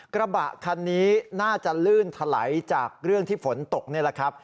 กระบะคันนี้น่าจะลื่นถลายจากเรื่องที่ฝนตกนี่แหละครับ